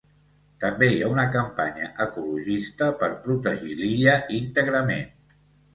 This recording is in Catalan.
També hi ha una campanya ecologista per protegir l’illa íntegrament.